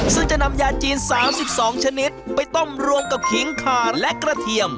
ซึ่งจะนำยาจีน๓๒ชนิดไปต้มรวมกับขิงขาและกระเทียม